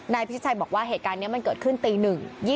พิชิชัยบอกว่าเหตุการณ์นี้มันเกิดขึ้นตี๑๒